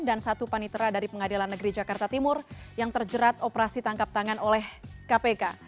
dan satu panitera dari pengadilan negeri jakarta timur yang terjerat operasi tangkap tangan oleh kpk